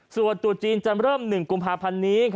ส่วนตุจีนจะเริ่ม๑กุมภาพันธ์นี้